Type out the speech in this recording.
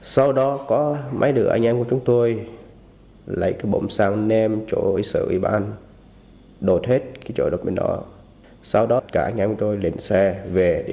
sau đó cả anh em tôi lên xe về địa hội